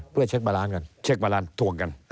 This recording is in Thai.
เพื่อเช็คบาลานซ์กัน